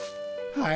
はい！